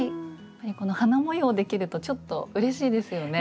この花模様できるとちょっとうれしいですよね。